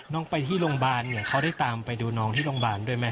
น้องไปที่โรงพยาบาลเนี่ยเขาได้ตามไปดูน้องที่โรงพยาบาลด้วยไหม